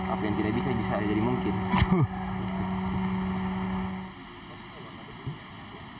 apa yang tidak bisa bisa jadi mungkin